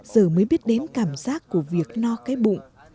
giờ mới biết đến cảm giác của việc no cái bụng